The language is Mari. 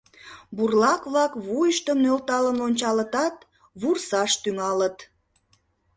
Бурлак-влак вуйыштым нӧлталын ончалытат, вурсаш тӱҥалыт: